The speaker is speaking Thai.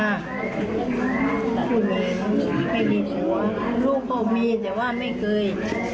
แต่คุณเองไม่ได้หัวลูกเขามีแต่ว่าไม่เคย